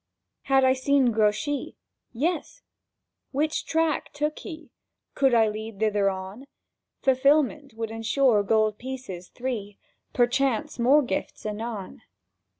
Had I seen Grouchy? Yes? Which track took he? Could I lead thither on?— Fulfilment would ensure gold pieces three, Perchance more gifts anon.